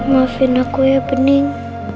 maafin aku ya bening